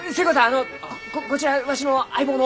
あのここちらわしの相棒の！